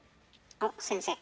あっ先生。